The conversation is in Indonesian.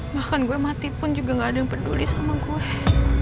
bahkan gue mati pun juga gak ada yang peduli sama gue